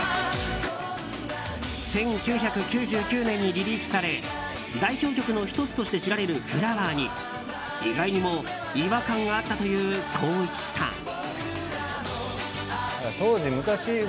１９９９年にリリースされ代表曲の１つとして知られる「フラワー」に意外にも違和感があったという光一さん。